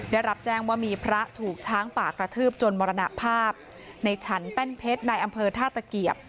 ได้รับแจ้งว่ามีพระถูกช้างป่ากระทืบจนมรณภาพในฉันแป้นเพชรในอำเภอท่าตะเกียบ